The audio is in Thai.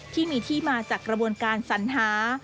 ที่มีที่มาจากกระบวนการสัญหา